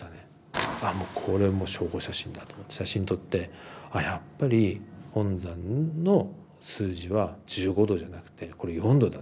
「あもうこれもう証拠写真だ」と思って写真撮って「あやっぱり本山の数字は１５°じゃなくてこれ４°だ。